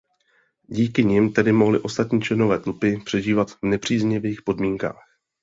Díky nim tedy mohli ostatní členové tlupy přežívat v nepříznivých podmínkách.